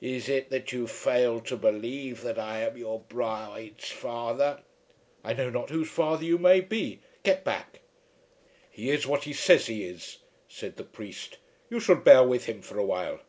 "Is it that you fail to believe that I am your bride's father?" "I know not whose father you may be. Get back." "He is what he says he is," said the priest. "You should bear with him for a while."